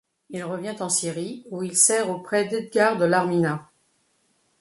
Il revient en Syrie où il sert auprès d'Edgard de Larminat.